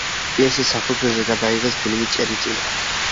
პიესის საფუძველზე გადაიღეს ფილმი ჭრიჭინა.